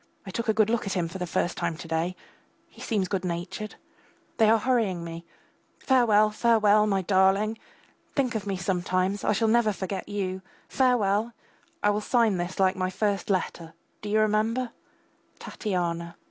I took a good look at him for the first time to day. He seems good natured. They are hurrying me. Farewell, farewell.... My darling!! Think of me sometimes; I shall never forget you. Farewell! I sign this last like my first letter, do you remember? TATYANA.